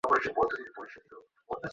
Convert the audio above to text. তোমাকে প্যারিসে কিনে দিয়েছিলাম ওগুলো আমি।